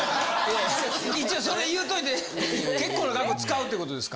一応それ言うといて結構な額使うって事ですか？